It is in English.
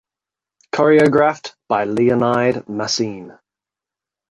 Choreographed by Leonide Massine.